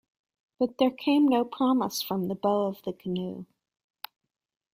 But there came no promise from the bow of the canoe.